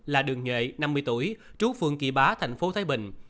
là đường nhuệ năm mươi tuổi trú phường kỳ bá tp thái bình